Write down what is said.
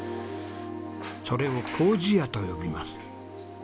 それを糀屋と呼びます。